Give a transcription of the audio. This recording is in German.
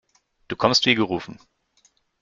Du kommst wie gerufen.